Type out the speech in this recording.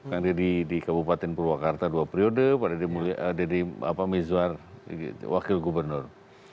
yang di kabupaten purwakarta dua periode pak deddy mizwar wakil gubernur